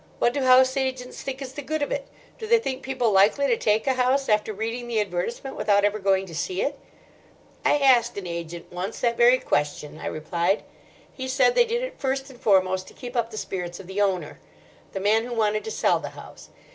"What do house agents think is the good of it? Do they think people likely to take a house after reading the advertisement without ever going to see it?" "I asked an agent once that very question," I replied. "He said they did it first and foremost to keep up the spirits of the owner—the man who wanted to sell the house.